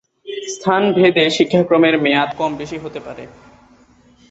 স্থানভেদে শিক্ষাক্রমের মেয়াদ কম-বেশি হতে পারে।